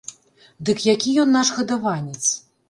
Ды які ён наш гадаванец?